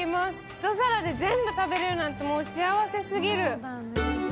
一皿で全部食べられるなんて幸せすぎる。